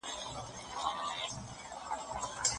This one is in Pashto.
زه له ډېر وخت راهیسې دا شبکه کاروم.